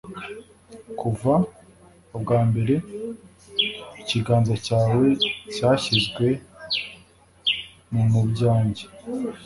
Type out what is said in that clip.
kuva ubwambere ikiganza cyawe cyashyizwe mubyanjye